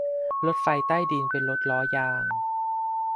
รถไฟใต้ดินเป็นรถล้อยาง